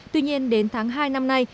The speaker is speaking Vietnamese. tuy nhiên đến tháng hai năm nay